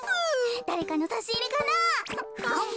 だれかのさしいれかな。